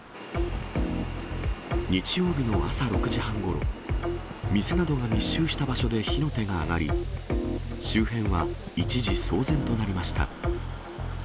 日曜日の朝６時半ごろ、店などが密集した場所で火の手が上がり、周辺は一時、騒然となりました。